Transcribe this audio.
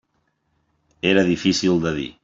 Era difícil de dir.